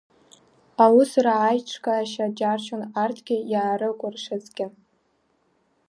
Аусура аиҿкаашьа џьаршьон арҭгьы иаарыкәыршазгьы.